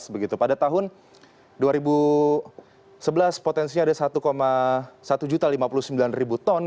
begitu pada tahun dua ribu sebelas potensinya ada satu satu juta lima puluh sembilan ton